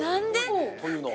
◆というのは。